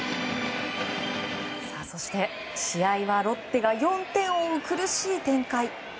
そして、試合はロッテが４点を追う苦しい展開。